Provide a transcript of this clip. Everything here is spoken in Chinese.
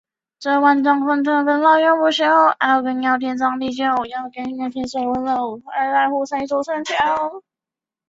下表是近年来本站一日乘降人数的调查结果。